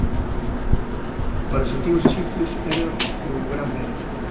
Para os antigos exipcios era «o Gran Verde».